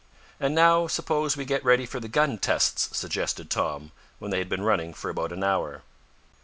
"And now suppose we get ready for the gun tests," suggested Tom, when they had been running for about an hour.